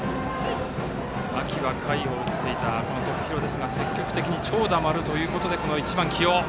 秋は下位を打っていた徳弘ですが積極的に長打もあるということで１番起用。